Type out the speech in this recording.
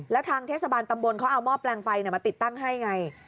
แล้วทางเทศบาลตำบลเขาเอาหม้อแปลงไฟมาติดตั้งให้ไง